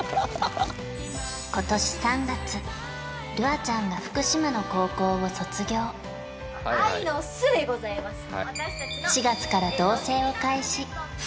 今年３月るあちゃんが福島の高校を卒業はいすいません